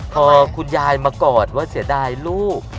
พอคุณยายมากอดว่าเสียดายลูก